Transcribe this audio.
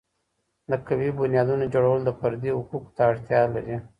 د قوي بنیادونو جوړول د فردي حقوقو ته اړتیا لري.